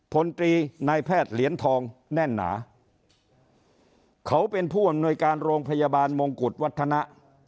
พลตรีนายแพทย์เหรียญทองแน่นหนาเขาเป็นผู้อำนวยการโรงพยาบาลมงกุฎวัฒนะ